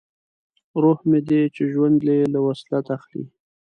روح مې دی چې ژوند یې له وصلت اخلي